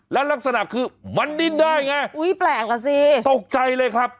แล้วลักษณะคือมันดิ้นได้ไงอุ้ยแปลกอ่ะสิตกใจเลยครับ